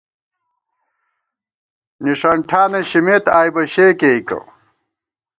نِݭن ٹھانہ شِمېت آئی بہ شےکېئیکہ